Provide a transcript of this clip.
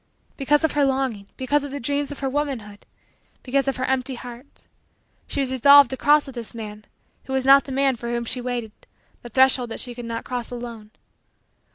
Because of her longing because of the dreams of her womanhood because of her empty heart she was resolved to cross with this man, who was not the man for whom she waited, the threshold that she could not cross alone.